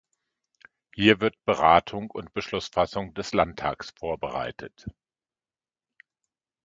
Hier wird Beratung und Beschlussfassung des Landtags vorbereitet.